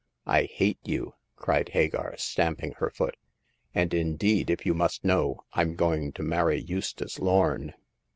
I hate you !" cried Hagar, stamping her foot ;and indeed, if you must know, Fm going to marry Eustace Lorn."